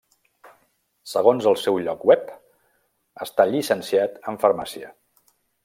Segons el seu lloc web, està llicenciat en Farmàcia.